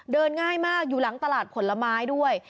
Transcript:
เดินง่ายมากอยู่หลังตลาดผลไม้ด้วย